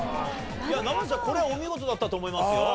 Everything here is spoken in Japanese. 生瀬さんこれお見事だったと思いますよ。